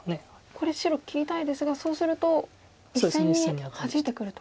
これ白切りたいですがそうすると１線にハジいてくると。